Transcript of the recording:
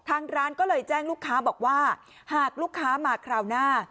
ทางร้านก็เลยแจ้งลูกค้าบอกว่าหากลูกค้ามาคราวหน้า